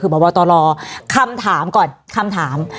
คือหมาวาตรอคำถามก่อนคำถาม